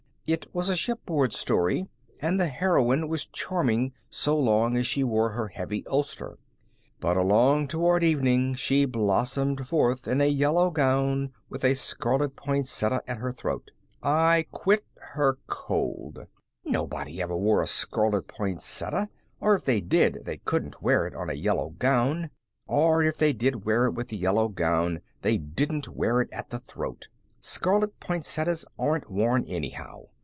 It was a shipboard story, and the heroine was charming so long as she wore her heavy ulster. But along toward evening she blossomed forth in a yellow gown, with a scarlet poinsettia at her throat. I quit her cold. Nobody ever wore a scarlet poinsettia; or if they did, they couldn't wear it on a yellow gown. Or if they did wear it with a yellow gown, they didn't wear it at the throat. Scarlet poinsettias aren't worn, anyhow.